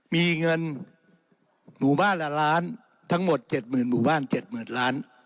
มีเงินหมู่บ้านละล้านทั้งหมดเจ็ดหมื่นหมู่บ้านเจ็ดหมื่นล้าน